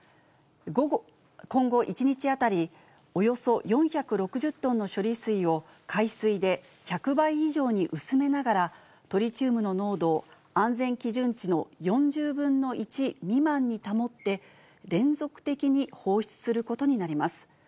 今後、１日当たりおよそ４６０トンの処理水を、海水で１００倍以上に薄めながら、トリチウムの濃度を安全基準値の４０分の１未満に保って、連続的に放出することになります。